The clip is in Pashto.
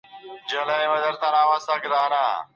د هر شخص مسؤليتونه او حقوق معلوم دي.